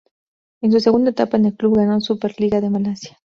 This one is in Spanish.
En su segunda etapa en el club ganó la Super Liga de Malasia.